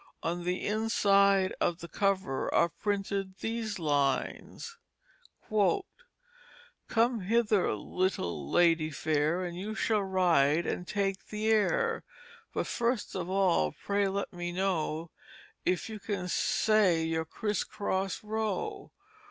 On the inside of the cover are printed these lines: "Come hither, little Lady fair, And you shall ride & take the Air. But first of all pray let me know If you can say your criss cross row.